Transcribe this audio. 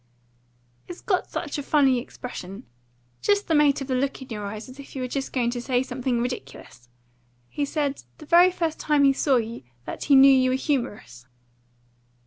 "It's got such a funny expression just the mate of the look in your eyes; as if you were just going to say something ridiculous. He said, the very first time he saw you, that he knew you were humorous."